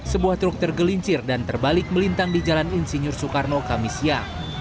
sebuah truk tergelincir dan terbalik melintang di jalan insinyur soekarno kamisia